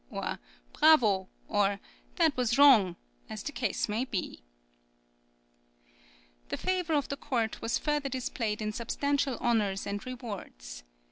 or "Bravo!" or "That was wrong!" as the case might be.[20010] The favour of the court was further displayed in substantial honours and rewards.